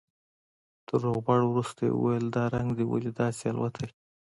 تر روغبړ وروسته يې وويل دا رنگ دې ولې داسې الوتى.